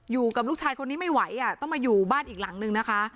อยู่กับลูกชายคนนี้ไม่ไหวต้องมาอยู่บ้านอีกหลังนึงนะคะ